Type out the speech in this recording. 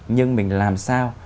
nhưng mình làm sao